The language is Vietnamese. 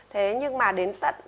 thế nhưng mà đến tận